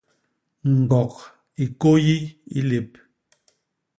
Ñgok i kôyi i lép.